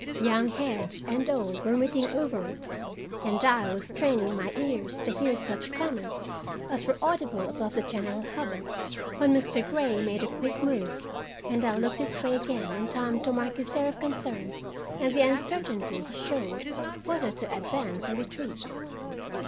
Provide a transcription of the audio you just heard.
Young heads and old were meeting over it, and I was straining my ears to hear such comments as were audible above the general hubbub, when Mr. Grey made a quick move and I looked his way again in time to mark his air of concern and the uncertainty he showed whether to advance or retreat.